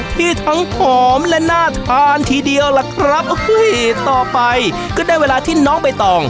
ที่ทั้งหอมและน่าทานทีเดียวล่ะครับต่อไปก็ได้เวลาที่น้องใบตอง